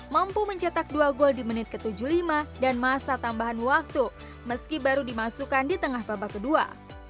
mampu mencetak dua gol di menit ke tujuh puluh lima dan masa tambahan waktu meski baru dimasukkan di tengah babak kedua